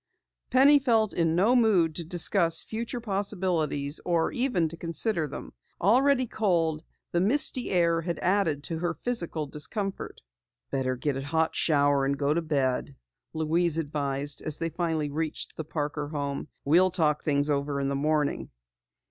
Penny felt in no mood to discuss future possibilities or even to consider them. Already cold, the misty air added to her physical discomfort. "Better get a hot shower and go to bed," Louise advised as they finally reached the Parker home. "We'll talk things over in the morning."